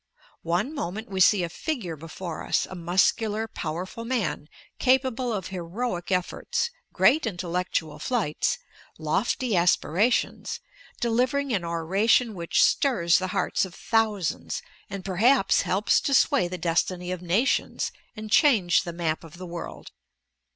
One moment we eee a figure before us — a muscular, powerful man, cap able of heroic efforts, great intellectual flights, lofty aspirations, delivering an oration which stirs the hearts of thousands and perhaps helps to sway the destiny of nations and change the map of the world